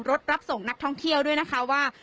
รับส่งนักท่องเที่ยวด้วยนะคะว่า